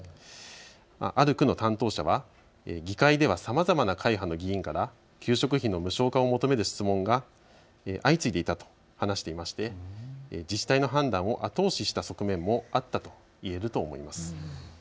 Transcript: ある区の担当者は議会ではさまざまな会派の議員から給食費の無償化を求める質問が相次いでいたと話していまして、自治体の判断を後押しした側面もあったと言えると思います。